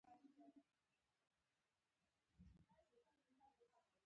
خوشحاله سفر ولري